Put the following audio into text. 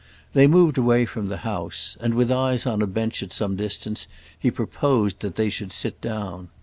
They moved away from the house, and, with eyes on a bench at some distance, he proposed that they should sit down.